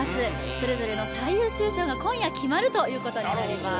それぞれの最優秀賞が今夜決まるということになります